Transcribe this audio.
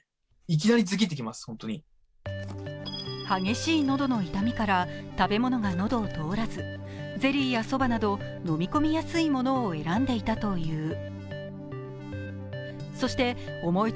激しい喉の痛みから食べ物が喉を通らずゼリーや、そばなど飲み込みやすいものを選んでいたという。